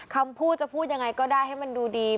คำพูดจะพูดยังไงก็ได้ให้มันดูดี